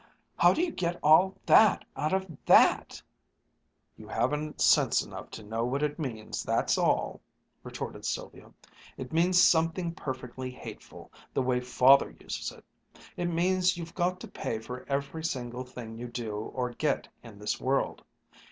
"How do you get all that out of that!" "You haven't sense enough to know what it means, that's all!" retorted Sylvia. "It means something perfectly hateful, the way Father uses it. It means you've got to pay for every single thing you do or get in this world!